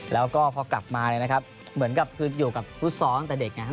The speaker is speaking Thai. แล้วก็พอกลับมาเนี่ยนะครับเหมือนกับคืออยู่กับฟุตซอลตั้งแต่เด็กนะครับ